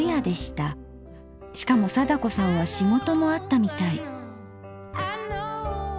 しかも貞子さんは仕事もあったみたい。